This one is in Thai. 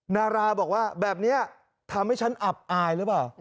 นาราบอกว่าแบบนี้ทำให้ฉันอับอายหรือเปล่า